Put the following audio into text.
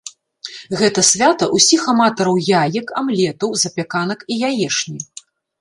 Гэта свята ўсіх аматараў яек, амлетаў, запяканак і яечні.